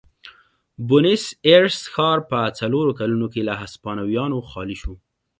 بونیس ایرس ښار په څلورو کلونو کې له هسپانویانو خالي شو.